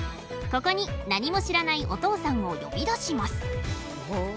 ここに何も知らないお父さんを呼び出します。